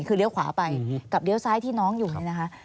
คือเลี้ยวขวาไปกับเลี้ยวซ้ายที่น้องอยู่นี่นะคะ